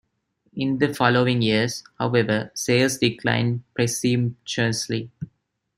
In the following years; however, sales declined precipitously.